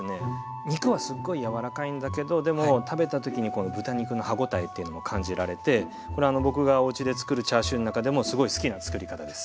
肉はすっごい柔らかいんだけどでも食べた時に豚肉の歯応えっていうのも感じられて僕がおうちでつくるチャーシューの中でもすごい好きなつくり方です。